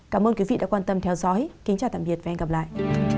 cảm ơn quý vị đã quan tâm theo dõi kính chào tạm biệt và hẹn gặp lại